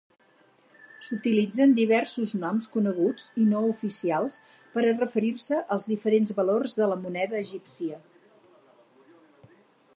S'utilitzen diversos noms coneguts i no oficials per a referir-se als diferents valors de la moneda egípcia.